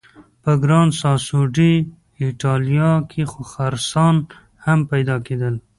په ګران ساسو ډي ایټالیا کې خرسان هم پیدا کېدل.